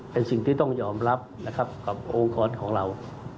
เป็นสิ่งที่ต้องยอมรับนะครับกับองค์กรของเรา